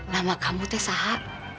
nama kamu teh saha